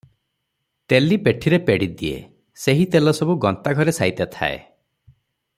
ତେଲି ବେଠିରେ ପେଡ଼ିଦିଏ, ସେହି ତେଲ ସବୁ ଗନ୍ତାଘରେ ସାଇତା ଥାଏ ।